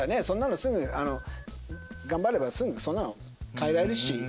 そんなのすぐ頑張ればすぐそんなの変えられるし。